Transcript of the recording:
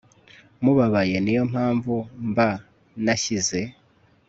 mubabaye niyo mpamvu mba nashyize